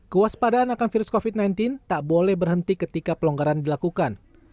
kewaspadaan akan virus covid sembilan belas tak boleh berhenti ketika pelonggaran dilakukan